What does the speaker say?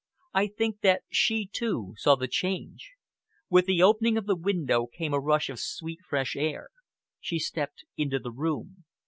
I think that she, too, saw the change. With the opening of the window came a rush of sweet fresh air. She stepped into the room.